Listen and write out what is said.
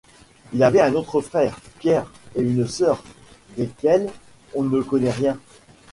Ils avaient un autre frère, Pierre, et une sœur, desquels on ne connaît rien.